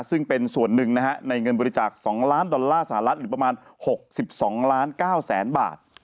ซึ่งเป็นส่วนหนึ่งนะฮะในเงินบริจาค๒ล้านดอลลาร์สหรัฐหรือประมาณ๖๒ล้าน๙แสนบาท